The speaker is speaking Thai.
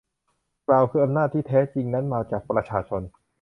กล่าวคืออำนาจที่แท้จริงนั้นมาจากประชาชน